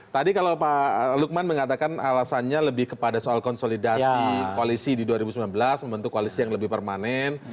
tadi kalau pak lukman mengatakan alasannya lebih kepada soal konsolidasi koalisi di dua ribu sembilan belas membentuk koalisi yang lebih permanen